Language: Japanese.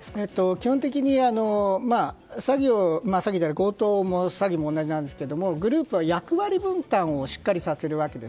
基本的に、詐欺である強盗も詐欺も同じなんですがグループは役割分担をしっかりさせるわけです。